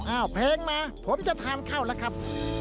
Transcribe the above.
อ้าวเพลงมาผมจะทานเข้าแล้วครับ